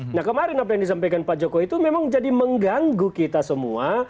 nah kemarin apa yang disampaikan pak jokowi itu memang jadi mengganggu kita semua